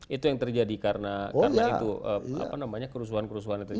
itu yang terjadi karena kerusuhan kerusuhan itu